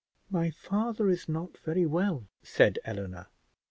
"My father is not very well," said Eleanor.